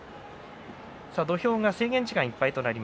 土俵は制限時間いっぱいです。